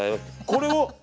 これを。